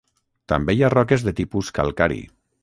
També hi ha roques de tipus calcari.